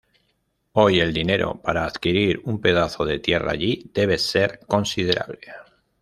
Hoy el dinero para adquirir un pedazo de tierra allí debe ser considerable.